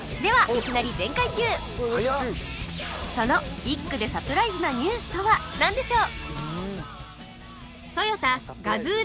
いきなりそのビッグでサプライズなニュースとはなんでしょう？